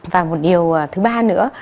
và một điều thứ ba nữa